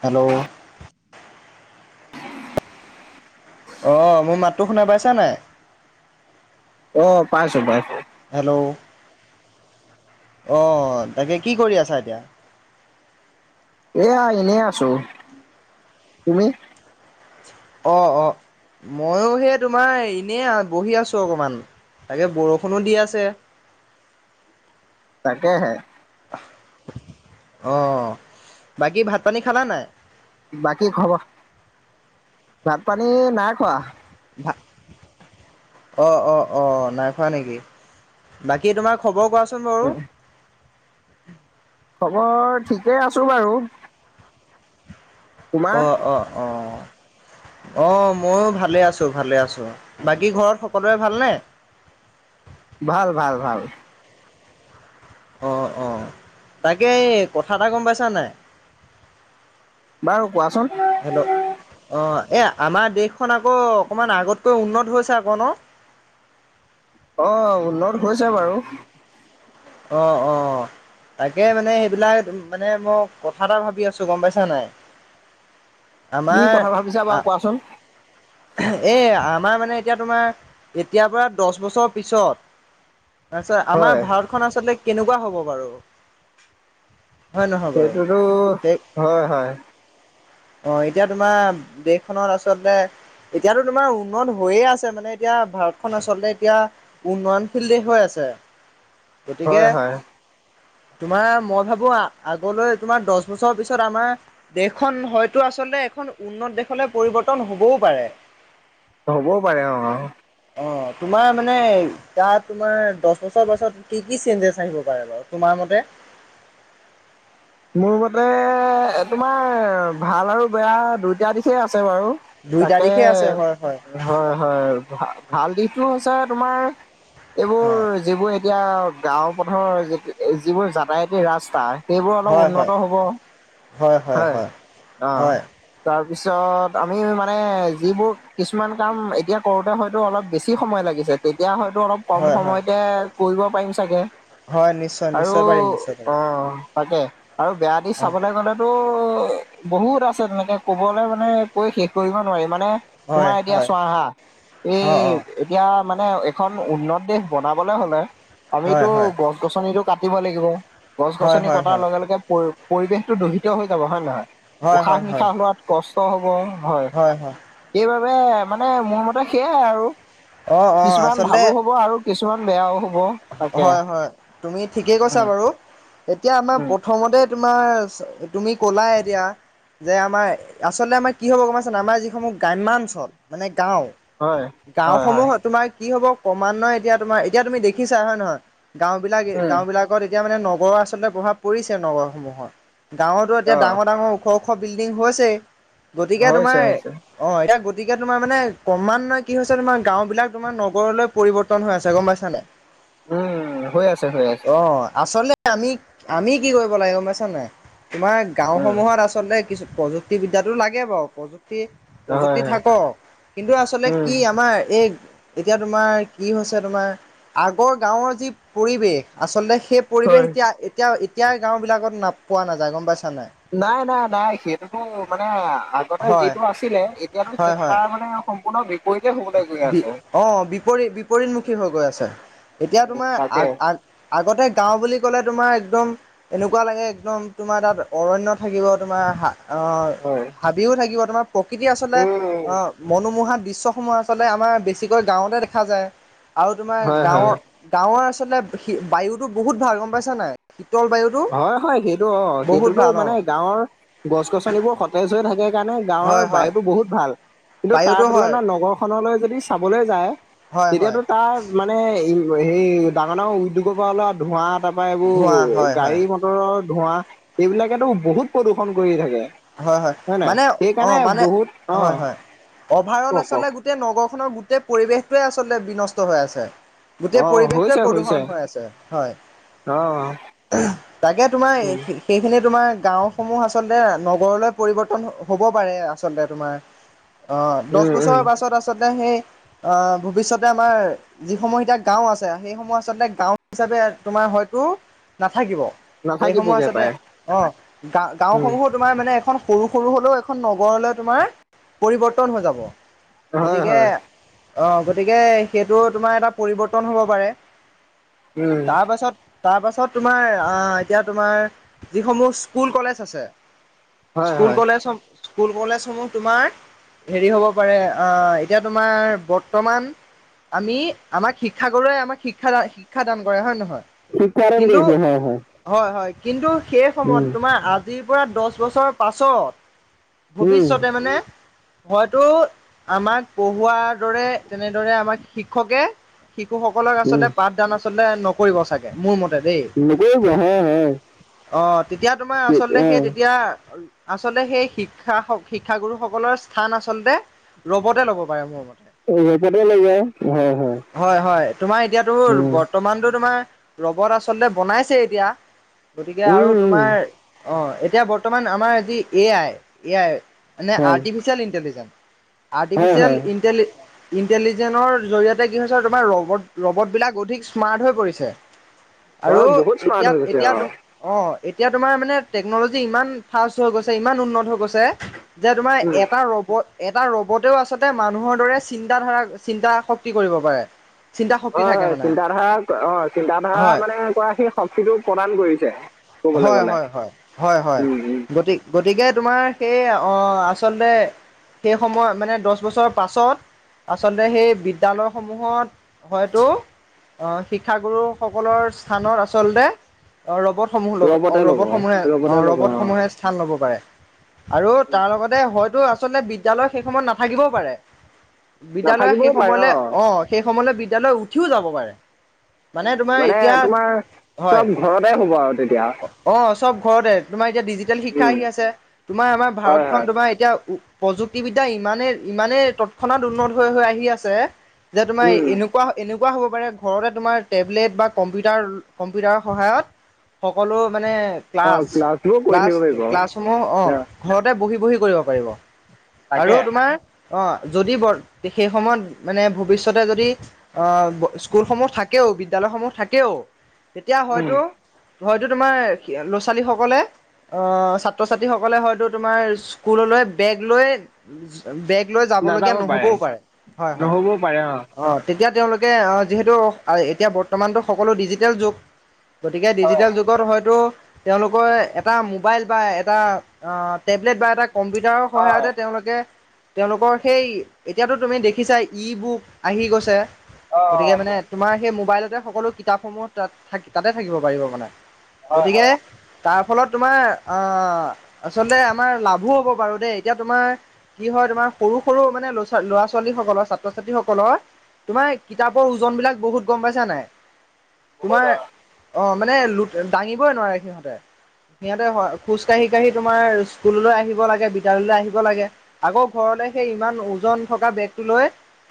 Hello. অ' মোৰ মাতটো শুনা পাইছা নে নাই? অ', পাইছোঁ, পাইছোঁ। হেল্ল' অ', বাকী কি কৰি আছা এতিয়া? এয়া এনেই আছোঁ তুমি। অ', অ'। মইও সেই তোমাৰ এনেই অ' বহি আছোঁ অকমান তাতে বৰষুণো দি আছে। তাকেহে। অ', বাকী ভাত পানী খালা নে নাই? বাকী খবৰ? ভাত পানী নাই খোৱা। ভা অ', অ', অ' নাই খোৱা নেকি? বাকী তোমাৰ খবৰ কোৱাচোন উম, বাৰু। খবৰ ঠিকে আছোঁ বাৰু। তোমাৰ অ', অ', অ'। অ মইও ভালে আছোঁ ভালে আছোঁ বাকী ঘৰত সকলোৰে ভালনে? ভাল, ভাল, ভাল। অ', অ' তাকে এই কথা এটা গম পাইছা নে নাই? বাৰু কোৱাচোন। [unintelligible] অ' এই আমাৰ দেশখন আকৌ অকমান আগতকৈ উন্নত হৈছে আকৌ নহ। অ', উন্নত হৈছে বাৰু। অ', অ'। তাকে মানে সেইবিলাক মানে মই কথা এটা ভাবি আছোঁ গম পাইছা নে নাই? কি আমাৰ কথা ভাবিছা বাৰু আহ কোৱাচোন এ, আমাৰ মানে এতিয়া তোমাৰ এতিয়াৰ পৰা দহ বছৰ পিছত। তাৰপিছত আমাৰ হয় ভাৰতখন আচলতে কেনেকুৱা হ'ব বাৰু? হয় নহয় বাৰু? সেইটোতো হয়, হয়। অ' এতিয়া তোমাৰ দেশখনত আচলতে। এতিয়াতো তোমাৰ উন্নত হৈয়ে আছে মানে এতিয়া ভাৰতখন আচলতে এতিয়া। উন্নয়নশীল দেশ হৈ আছে গতিকে। হয় হয় তোমাৰ মই ভাৱো আগলৈ তোমাৰ দহ বছৰ পিছত আমাৰ। দেশখন হয়তো আচলতে এখন উন্নত দেশলে পৰিৱৰ্তন হ'বও পাৰে। হ'বও পাৰে অ', অ'। তোমাৰ মানে। তাত তোমাৰ দহ বছৰ বছৰ পিছত কি-কি চেঞ্জেছ আহিব পাৰে বাৰু তোমাৰ মতে? মোৰ মতে তোমাৰ ভাল আৰু বেয়া দুইটা দিশে আছে বাৰু। দুই তাকে তাৰিখে আছে হয় হয় হয়-হয় ভা-ভাল দিশটো হৈছে তোমাৰ এইবোৰ অ' যিবোৰ এতিয়া গাঁও পথৰ য যিবোৰ যাতায়তি ৰাস্তা সেইবোৰ অলপ হয় হয় উন্নত হ'ব। হয় অ হয় তাৰপিছত আমি মানে যিবোৰ কিছুমান কাম এতিয়া কৰোতে হয়তো অলপ বেছি সময় লাগিছে তেতিয়া হয়তো অলপ কম হয় হয় সময়তে কৰিব পাৰিম চাগে। হয় নিশ্চয় আৰু নিশ্চয় পাৰিম নিশ্চয় অ, পাৰিম তাকে আৰু বেয়া দিশ অ' চাবলে গ'লে তো বহুত আছে তেনেকে কবলে মানে কৈ শেষ কৰিব নোৱাৰি মানে হয় তোমাৰ এতিয়া হয় চোৱা হা, এই অ' অ' এতিয়া মানে এখন উন্নত দেশ বনাবলে হ'লে হয় আমিতো হয় গছ গছনিটো কাটিব লাগিব, হয় গছ-গছনি হয় হয় কটাৰ লগে-লগে পৰি-পৰিৱেশটো দূষিত হৈ যাব হয় নহয়? হয় হয় হয় হয় উশা-নিশাহ লোৱাত কষ্ট হ'ব হয়, সেইবাবে মানে মোৰ মতে সেইয়াই আৰু অ' অ' কিছুমান ভালো হ'ব আৰু কিছুমান বেয়াও হ'ব। তাকে হয়-হয় তুমি ঠিকেই কৈছা উম বাৰু, এতিয়া উম আমাৰ খঙতে তোমাৰ তুমি কলায় এতিয়া যে আমাৰ আচলতে আমাৰ কি হ'ব গম পাইছা নাই? আমাৰ যিসমূহ গ্ৰাম্যাঞ্চল মানে গাঁও হয় হয় হয় গাঁওসমূহ তোমাৰ কি হ'ব ক্ৰমান্বয় এতিয়া তোমাৰ এতিয়া তুমি দেখিছা হয় নহয়? গাঁওবিলাক উম, গাঁও বিলাকত এতিয়া মানে নগৰৰ আচলতে প্ৰভাৱ পৰিছে নগৰসমূহত। গাঁৱতো এতিয়া অ', ডাঙৰ-ডাঙৰ ওখ ওখ বিল্ডিং হৈছেই, গতিকে হৈছে তোমাৰ হৈছে। অ এতিয়া গতিকে তোমাৰ মানে ক্ৰমান্বয় কি হৈছে তোমাৰ গাঁও বিলাক তোমাৰ নগৰলৈ পৰিৱৰ্তন হৈ আছে, গম পাইছা নাই? উম, হৈ আছে হৈ আছে। অ আচলতে আমি, আমি কি কৰিব লাগে পাইছা নাই? তোমাৰ উম, গাঁওসমূহত আচলতে কিছু প্ৰযুক্তিবিদ্যাটো লাগে বাৰু প্ৰযুক্তি হয় প্ৰযুক্তি হয়। থাক কিন্তু আচলতে উম, কি আমাৰ এই এতিয়া তোমাৰ কি হৈছে তোমাৰ আগৰ গাঁৱৰ যি পৰিৱেশ আচলতে সেই হয়। পৰিৱেশ এতিয়া-এতিয়া-এতিয়া গাঁও বিলাকত ন পোৱা নাযায় গম পাইছা নাই? নাই নাই নাই সেইটোতো মানে আগতে হয়, যিটো আছিলে এতিয়াতো হয়, সেইটো হয়। তাৰ মানে সম্পূৰ্ণ বিপৰীতে হ'বলৈ গৈ বি আছে। অ বিপৰীত বিপৰীতমুখী হৈ গৈ আছে, এতিয়া উম, তোমাৰ তাকে আ আ আগতে গাওঁ বুলি ক'লে তোমাৰ একদম এনেকুৱা লাগে একদম তোমাৰ তাত অৰণ্য থাকিব, তোমাৰ হা অ হয়। হাবিও থাকিব তোমাৰ প্ৰকৃতি আচলতে উম, অ মনোমোহা দৃশ্য সমূহ আচলতে আমাৰ বেছিকৈ গাঁওতে দেখা যায় তোমাৰ হয় গাঁও হয়। গাঁওৰ আচলতে সি বায়ুতো বহুত ভাল গম পাইছা নাই? শিতল বা হয় হয় সেইটো অ সেইটোতো অঁ মানে গাঁৱৰ গছ-গছনিবোৰ সতেজ হৈ থাকে কাৰণে গাঁৱৰ হয় হয় বায়ুটো বহুত ভাল, কিন্তু তাৰ বায়ুতো হয় তুলনাত নগৰ নগৰ খনলৈ যদি চাবলৈ যায়, হয় হয় তেতিয়াটো তাৰ মানে হে ডাঙৰ ডাঙৰ উদ্যোগৰ পৰা ওলোৱা ধোঁৱা তাৰপৰা ধোঁৱা এইবোৰ হয় হয় গাড়ী মটৰৰ ধোঁৱা এইবিলাকেতো বহুত প্ৰদূষণ কৰি থাকে। হয় হয় নাই মানে অ, সেইকাৰণে মানে বহুত অ হয় হয় অভাৰ অল কওক কওক আচলো গোটেই নগৰ খনৰ গোটেই পৰিৱেশটোৱে আচলতে বিনষ্ট হৈ আছে। গোটেই অ হৈছে পৰিৱেশটোৱে হৈছে প্ৰদূ্ষণ হৈ আছে অ হয়। তাকে তোমাৰ, উম সেইখিনি তোমাৰ, গাওঁসমূহ আচলতে নগৰলৈ পৰিৱৰ্তন হ'ব পাৰে, আচলতে তোমাৰ। অ', দহ উম উম বছৰৰ পাছত আচলতে, সেই আহ ভৱিষ্যতে আমাৰ যিসমূহ এতিয়া গাওঁ আছে, সেই সমুহ আচলতে, গাওঁ হিচাপে তোমাৰ হয়তো নাথাকিব। সেই সমূহ নাথাকিবগে আচলতে, পায় অ', গা উম গাঁওসমূহত। তোমাৰ মানে, এখন সৰু সৰু হ'লেও, এখন নগৰলৈ তোমাৰ পৰিৱৰ্তন হৈ যাব। হয় গতিকে হয় অ', গতিকে, সেইটো তোমাৰ এটা পৰিৱৰ্তন হ'ব পাৰে। উম তাৰপাছত। তাৰপাছত তোমাৰ, আহ এতিয়া তোমাৰ, যিসমূহ স্কুল-কলেজ আছে হয় হয় স্কুল-কলেজ সম, স্কুল-কলেজ সমূহ তোমাৰ হেৰি হ'ব পাৰে, অ', এতিয়া তোমাৰ বৰ্তমান আমি আমাক, শিক্ষাগুৰুৱে আমাক শিক্ষা শিক্ষাদান কৰে হয় নে নহয়। শিক্ষাদান কিন্তু দিয়ে হয়, হয়। হয়, হয়, কিন্তু সেই সময়ত, উম তোমাৰ আজিৰ পৰা দহ বছৰ পাছত উম ভৱিষ্যতে মানে হয়তো, আমাক পঢ়োৱাৰ দৰে, তেনেদৰে আমাক শিক্ষকে শিশুসকলক উম আচলতে, পাঠদান আচলতে, নক নকৰিব চাগে মোৰ মতে দেই, নকৰিব হয় হয় অ', তেতিয়া তোমাৰ আচলতে এতিয়া আচলতে, সেই শিক্ষা শিক্ষাগুৰু সকলৰ স্থান আচলতে ৰবটে ল'ব পাৰে মোৰ মতে। অ ৰেপতে লৈ যায় হয় হয়, হয়, তোমাৰ এতিয়াতো উম বৰ্তমানটো তোমাৰ ৰ'বত আচলতে বনাইছেই এতিয়া, গতিকে উম আৰু তোমাৰ উম অ'। এতিয়া বৰ্তমান আমাৰ যি, এ আই, এ আই মানে হয় আৰ্টিফিচিয়েল ইণ্টেলিজেঞ্চ। হয় আৰ্টিফিচিয়েল হয় ইণ্টেলি ইণ্টেলিজেটৰ জৰিয়তে, কি হৈছে তোমাৰ ৰবট, ৰবটবিলাক অধিক স্মাৰ্ট হৈ পৰিছে। আৰু হয় বহুত স্মাৰ্ট এতিয়া, হৈ গৈছে এতিয়া অ তোম অ', এতিয়া তোমাৰ মানে, টেকনলজি ইমান ফাষ্ট হৈ গৈছে, ইমান উন্নত হৈ গৈছে যে তোমাৰ উম এটা ৰবট এটা ৰবতেও আচলতে, মানুহৰ দৰে চিন্তাধাৰা চিন্তা শক্তি কৰিব পাৰে। চিন্তা শক্তি হয়, থাকে হয়, মানে চিন্তা ধাৰা, অ', চিন্তা ধাৰা হয় মানে, কৰা সেই শক্তিটো প্ৰদান কৰিছে। কবলৈ হয়, গ'লে হয়, হয়, হয়, হয়, উম উম গতি গতিকে, তোমাৰ সেই অ', আচলতে সেই, সময় মানে দহ বছৰ পাছত আচলতে সেই বিদ্যালয় সমূহত হয়তো, শিক্ষাগুৰু সকলৰ স্থানত আচলতে ৰ'বট সমূহ লব অ', ৰবতে ৰবট সমূহে ৰবতে ল'ব অ স্থান ল'ব পাৰে, আৰু তাৰ লগতে হয়টো আচলতে বিদ্যালয়, সেই সময়ত নাথাকিবও পাৰে, বিদ্যালয় সেই নাথাকিবও পাৰে সময়লৈ অ'। সেই সময়লৈ বিদ্যালয়, উঠিও যাব পাৰে। উম, তোমাৰ মানে এতিয়া তোমাৰ, হয় চব ঘৰতে হ'ব আৰু তেতিয়া। অ', চব ঘৰতে, তোমাৰ এতিয়া ডিজিটেল শিক্ষা উম আহি আছে, তোমাৰ আমাৰ হয় ভাৰতখন হয় তোমাৰ এতিয়া প্ৰযুক্তিবিদ্যা, ইমানে ইমানেই তৎক্ষণাত উন্নত হৈ, হৈ আহি আছে, যে তোমাৰ উম এনো এনেকুৱা হ'ব পাৰে, ঘৰতে তোমাৰ টেবলেট বা কম্পিউটাৰ কম্পিউটাৰৰ সহায়ত সকলো মানে অ ক্লাছ, ক্লাছবোৰ কৰি ক্লাছ, থাকিব পাৰিব অ ক্লাছসমূহ অ'। ঘৰতে বহি, বহি কৰিব পাৰিব। আৰু তাকে তোমাৰ অ', যদি বৰ, সেই সময়ত মানে ভৱিষ্যতে যদি অঁ স্কুলসমূহ থাকেয়ো বিদ্যালয়সমূহ থাকেয়ো। তেতিয়া উম হয়তো হয়তো তোমাৰ ল'ৰা ছোৱালী সকলে অঁ ছাত্ৰ ছাত্ৰীসকলে হয়তো তোমাৰ স্কুললৈ বেগ লৈ বেগ লৈ যাবলগীয়া নহ'বও পাৰে, হয় হয়। নহ'বও পাৰে অ অঁ তেতিয়া তেওঁলোকে অঁহ যিহেতু এতিয়া বৰ্তমানতো সকলো ডিজিটেল যুগ। গতিকে হয় ডিজিটেল যুগত হয়তো তেওঁলোকৰ এটা মোবাইল বা এটা অঁ টেবলেট বা এটা কম্পিউটাৰৰ হয় সহায়তে তেওঁলোকে তেওঁলোকৰ সেই এতিয়াতো তুমি দেখিছাই ই বুক আহি গৈছে। অ গতিকে মানে দেখিছো তোমাৰ সেই মোবাইলতে সকলো কিতাপ সমূহ তাত তাতে থাকিব পাৰিব মানে। হয় গতিকে তাৰ ফলত তোমাৰ আঁহ আচলতে আমাৰ লাভো হ'ব বাৰু দেই এতিয়া তোমাৰ কি হয় তোমাৰ সৰু সৰু মানে ল'ৰা ছোৱালী সকলৰ ছাত্ৰ ছাত্ৰীসকলৰ তোমাৰ কিতাপৰ ওজন বিলাক বহুত গম পাইছা নাই। বহুত তোমাৰ অঁ মানে দাঙিবই নোৱাৰে সিহঁ সিহঁতে হয় খোজ কাঢ়ি কাঢ়ি তোমাৰ স্কুললৈ আহিব লাগে বিদ্যালয়লৈ আহিব লাগে। আকৌ ঘৰলে সেই ইমান ওজন থকা বেগটো লৈ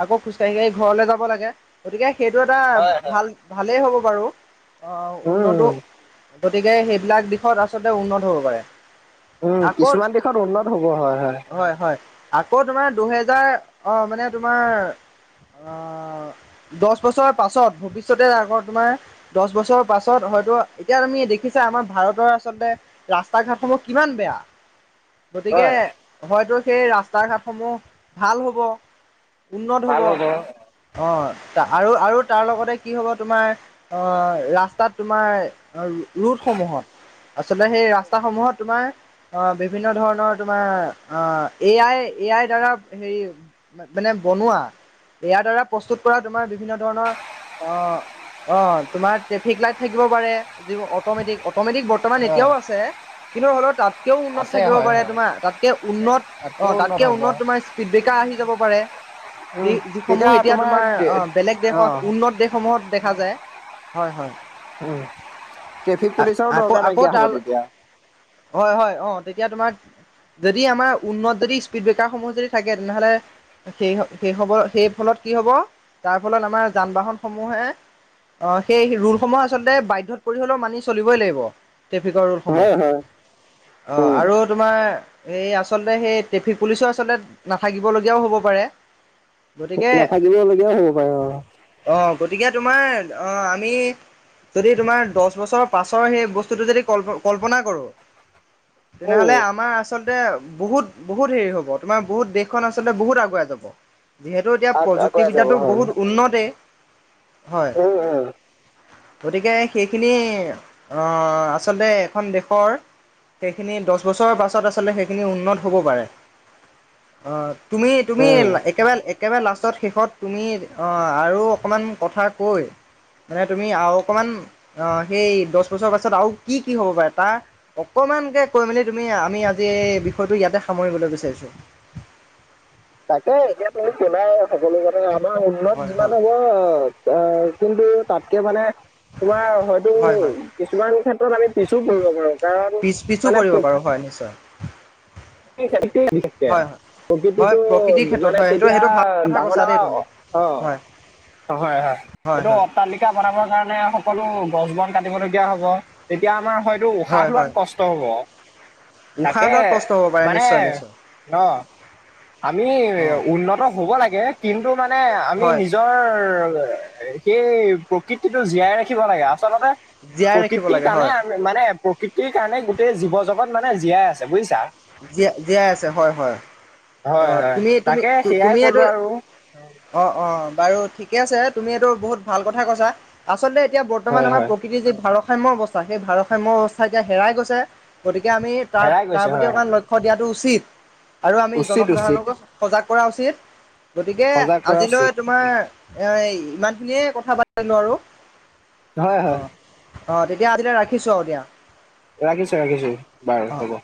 আকৌ খোজ কাঢ়ি কাঢ়ি ঘৰলে যাব লাগে। গতিকে সেইটো এটা হয় হয় হয় ভাল ভালেই হ'ব বাৰু অঁ উন্নতো উম গতিকে সেইবিলাক দিশত আচলতে উন্নত হব পাৰে। উম আকৌ কিছুমান দিশত উন্নত হ'ব হয় হয়। হয় হয়। আকৌ তোমাৰ দুহেজাৰ অঁ মানে তোমাৰ অঁ দশ বছৰ পাছত ভৱিষ্যতে আগৰ তোমাৰ দশ বছৰৰ পাছত হয়তো এতিয়া তুমি দেখিছা আমাৰ ভাৰতৰ আচলতে ৰাস্তা ঘাটসমূহ কিমান বেয়া। হয় গতিকে হয়তো সেই ৰাস্তা ঘাটসমূহ ভাল হ'ব উন্নত হ'ব। অঁ আৰু আৰু তাৰ লগতে কি হব তোমাৰ অঁ ৰাস্তাত তোমাৰ ৰোদ সমূহত। আচলতে সেই ৰাস্তা সমূহত তোমাৰ অঁ বিভিন্ন ধৰণৰ তোমাৰ আঁহ এ আই এ আইৰ দ্বাৰা হেৰি মানে বনোৱা, ইয়াৰ দ্বাৰা প্ৰস্তুত কৰা তোমাৰ বিভিন্ন ধৰণৰ অঁ অঁ, তোমাৰ ট্ৰেফিক লাইট থাকিব পাৰে যি অটমেটিক অটমেটিক ৱৰ্ড বৰ্তমান অ এতিয়াও আছে। কিন্তু হ'লেও তাতকেও উন্নত আছে থাকিব হয় পাৰে, হয় তোমাৰ তাতকে উন্নত অঁ তাতকেও তাতকে হ'ব। উন্নত তোমাৰ স্পীড বেকাৰ আহি যাব পাৰে। যি উম তেতিয়া যিসমূহ এতিয়া তোমাৰ অঁ বেলেগ অ দেশত উন্নত দেশসমূহত দেখা যায়। হয় হয়। উম, ট্ৰেফিক পুলিচৰো আকৌ দৰকাৰ আকৌ নাইকিয়া তাৰ হ'ব তেতিয়া। হয় হয়, তেতিয়া তোমাৰ যদি আমাৰ উন্নত যদি স্পীড ব্ৰেকাৰসমূহ যদি থাকে, তেনেহ'লে সেই সেই হব সেই ফলত কি হব তাৰ ফলত আমাৰ যান বাহন সমূহে অঁহ সেই ৰুলসমূহ আচলতে বাধ্যত পৰি হলেও মানি চ লিবই লাগিব, ট্ৰেফিকৰ ৰুলসমূহ। হয় হয় অঁ উম আৰু তোমাৰ এই আচলতে সেই ট্ৰেফিক পুলিচো আচলতে নাথাকিবলগীয়াও হ'ব পাৰে। গতিকে নাথাকিবলগীয়াও হ'ব পাৰে অঁ। অ গতিকে তোমাৰ অ আমি যদি তোমাৰ দহ বছৰত। পাছৰ সেই বস্তুটো যদি কল্প কল্পনা কৰোঁ উম তেনেহ'লে আমাৰ আচলতে। বহুত বহুত হেৰি হব তোমাৰ বহুত দেশখন আচলতে বহুত আগুৱাই যাব। যিহেতু এতিয়া আগ আগুৱাই যাব প্ৰযুক্তিবিদ্যাটো হয়। বহুত উন্নতেই হয়। উম উম। গতিকে সেইখিনি আহ আচলতে এখন দেশৰ। সেইখিনি দহ বছৰৰ পাছত আচলতে সেইখিনি উন্নত হ'ব পাৰে। অ তুমি তুমি উম একেবাৰে। একেবাৰে লাষ্টত শেষত তুমি অ আৰু অকমান কথা কৈ। মানে তুমি আৰু অকমান অ সেই দহ বছৰ পাছত আৰু কি কি হ'ব পাৰা তাৰ। অকমানকে কৈ মেলি তুমি আমি আজি এই বিষয়টো ইয়াতে সামৰিবলৈ বিচাৰিছো। তাকে এতিয়া তুমি শোনাই সকলো কথা আমাৰ উন্নত হয় যিমান হয় হ'ব। অ অ কিন্তু তাতকে মানে তোমাৰ হয়তো। হয় হয় কিছুমান ক্ষেত্ৰত আমি পিছো পৰিব পাৰোঁ। পিচ পিছো পৰিব পাৰোঁ হয় নিশ্চয়। হয় হয় [unintelligible] হয় প্ৰকৃতিটো প্ৰকৃতিৰ ক্ষেত্ৰত মানে হয় সেইটো তেতিয়া সেইটো ভাল কথা কৈছা ডাঙৰ ডাঙৰ দেই তুমি অহ। হয় হয় হয় এইটো অট্টালিকা। অট্টালিকা বনাবৰ কাৰণে সকলো গছ বন কাটিবলগীয়া হ'ব তেতিয়া আমাৰ হয়। এইটো উশাহ হয় লোৱাত হয় কষ্ট হ'ব উশাহ তাকে। লোৱাত কষ্ট হ'ব পাৰে মানে নিশ্চয় নিশ্চয় ন। আমি অ' উন্নত হব লাগে কিন্তু মানে আমি হয় নিজৰ। সেই প্ৰকৃতিটো জীয়াই ৰাখিব লাগে আচলতে জীয়াই ৰাখিব প্ৰকৃতিৰ লাগে কাৰণে। হয় মানে প্ৰকৃতিৰ কাৰণে গোটেই জীৱ জগত মানে জীয়াই আছে বুজিছা। জীয়াই জীয়াই আছে হয় হয়। অ হয় হয় তুমি তুমি তাকে সেয়াই কলো তুমিটো। আৰু অ অ বাৰু ঠিকে আছে তুমি এইটো বহুত ভাল কথা কৈছা আচলতে এতিয়া বৰ্তমান হয় আমাৰ। হয় প্ৰকৃতিৰ যি ভাৰসাম্য অৱস্থা সেই ভাৰাসাম্য অৱস্থা এতিয়া হেৰাই গৈছে গতিকে আমি তাৰ হেৰাই তাৰ গৈছে গতিকে। হয় লক্ষ্য দিয়াটো উচিত আৰু আমি উচিত উচিত জনসাধাৰণকো সজাগ কৰা উচিত। গতিকে সজাগ কৰা আজিলৈ উচিত তোমাৰ এ ইমানখিনিয়ে আৰু। হয় অ হয় অ তেতিয়া আজিলৈকে ৰাখিছোঁ আৰু দিয়া। ৰাখিছে ৰাখিছে বাৰু অ'। হ'ব।